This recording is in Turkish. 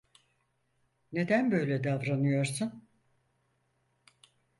Neden böyle davranıyorsun?